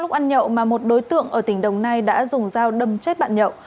lúc ăn nhậu mà một đối tượng ở tỉnh đồng nai đã dùng dao đâm chết bạn nhậu